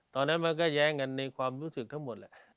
ตอนนั้นมันก็แย้งกันในความรู้สึกทั้งหมดแหละ